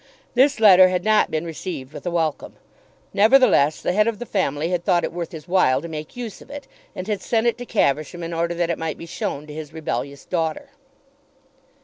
This letter had not been received with a welcome. Nevertheless the head of the family had thought it worth his while to make use of it, and had sent it to Caversham in order that it might be shown to his rebellious daughter.